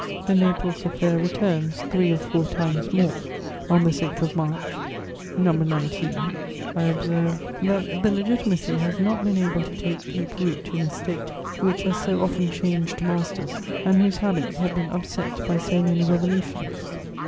The Naples affair returns three or four times more. On the 6th of March, No. 19, I observe: "That the Legitimacy has not been able to take deep root in a State which has so often changed masters and whose habits have been upset by so many revolutions.